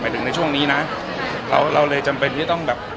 หมายถึงในช่วงนี้เราเลยจำเป็นที่ต้องแบบ